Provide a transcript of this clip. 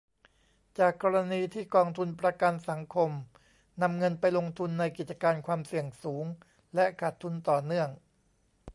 จากกรณีที่กองทุนประกันสังคม นำเงินไปลงทุนในกิจการความเสี่ยงสูงและขาดทุนต่อเนื่อง